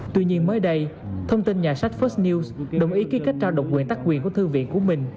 tuy nhiên mới đây thông tin nhà sách first news đồng ý ký kết trao độc quyền tác quyền của thư viện của mình